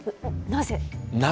なぜ？